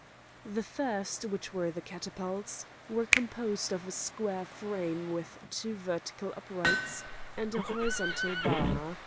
The first, which were the catapults, was composed of a square frame with two vertical uprights and a horizontal bar.